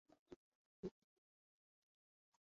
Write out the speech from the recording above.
বর্তমানে সংক্রামক রোগ এর প্রকোপ অনেকাংশে কমে এসেছে।